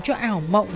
cho ảo mộng